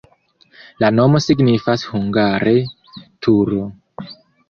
La nomo signifas hungare: turo.